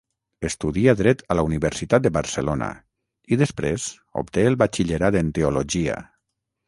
Estudia Dret a la Universitat de Barcelona i després obté el batxillerat en teologia.